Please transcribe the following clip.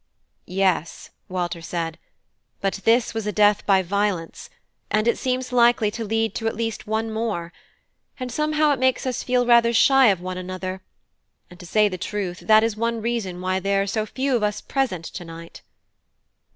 "Yes," Walter said, "but this was a death by violence, and it seems likely to lead to at least one more; and somehow it makes us feel rather shy of one another; and to say the truth, that is one reason why there are so few of us present to night."